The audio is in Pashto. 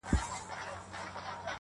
یوه برخه د پرون له رشوتونو.!